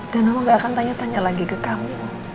dan mama gak akan tanya tanya lagi ke kamu